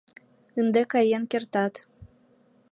Ынде каен кертат.